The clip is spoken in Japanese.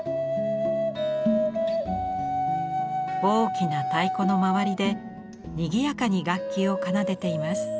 大きな太鼓の周りでにぎやかに楽器を奏でています。